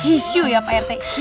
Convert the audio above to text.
isu ya pak rt